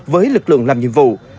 với lực lượng làm nhiệm vụ